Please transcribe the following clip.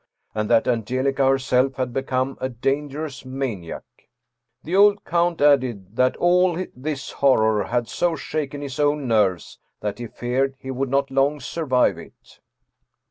and that Angelica herself had become a danger ous maniac. The old count added that all this horror had 153 German Mystery Stories so shaken his own nerves that he feared he would not long survive it.